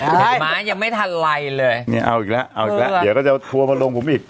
เก้าร้อหลังยังไม่ทันไรเลยเอาอีกแล้วเดี๋ยวก็จะถั่วมาลงผมอีก